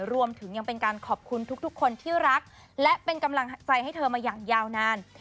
รวมถึงยังเป็นการขอบคุณทุกคนที่รักและเป็นกำลังใจให้เธอมาอย่างยาวนาน